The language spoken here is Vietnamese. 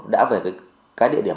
đã về cái địa điểm